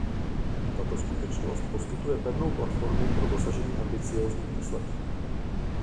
Tato skutečnost poskytuje pevnou platformu pro dosažení ambiciózních výsledků.